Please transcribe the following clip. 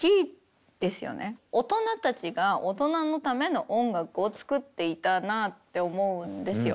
大人たちが大人のための音楽を作っていたなあって思うんですよ。